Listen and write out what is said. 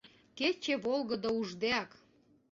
Кече волгыдо уждеак.